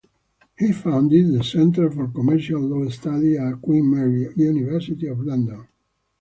He founded the Centre for Commercial Law Studies at Queen Mary, University of London.